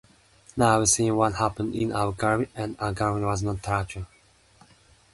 Now I've seen what happened in Abu Ghraib, and Abu Ghraib was not torture.